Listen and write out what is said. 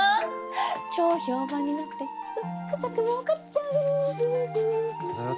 超評判になってザックザクもうかっちゃう！